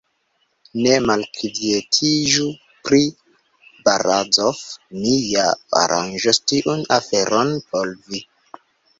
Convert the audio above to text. Ne malkvietiĝu pri Barazof; mi ja aranĝos tiun aferon por vi.